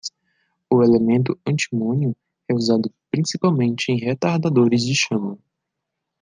O elemento antimônio é usado principalmente em retardadores de chama.